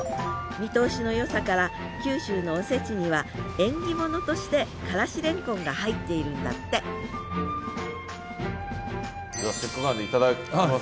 見通しのよさから九州のおせちには縁起物としてからしレンコンが入っているんだってじゃあせっかくなんで頂きます。